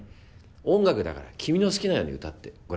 「音楽だから君の好きなように歌ってごらん。